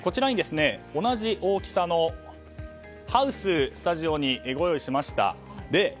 同じ大きさのハウスをスタジオにご用意しました。